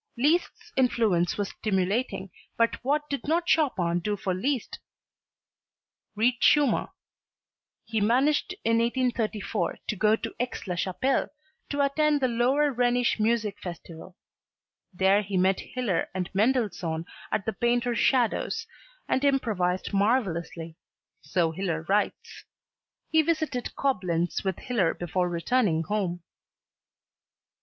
Liszt's influence was stimulating, but what did not Chopin do for Liszt? Read Schumann. He managed in 1834 to go to Aix la Chapelle to attend the Lower Rhenish Music Festival. There he met Hiller and Mendelssohn at the painter Schadow's and improvised marvellously, so Hiller writes. He visited Coblenz with Hiller before returning home.